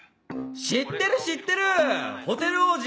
知ってる知ってるホテル王子！